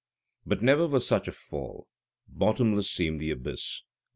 But never was such a fall! Bottomless seemed the abyss!